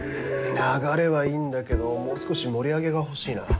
流れはいいんだけどもう少し盛り上げが欲しいな。